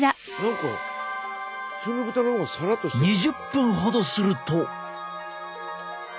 ２０分ほどすると。